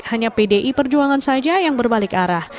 hanya pdi perjuangan saja yang berbalik arah